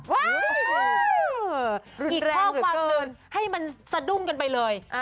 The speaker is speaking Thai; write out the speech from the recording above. รุนแรงเหรอเกินอีกข้อความคืนให้มันสะดุ้งกันไปเลย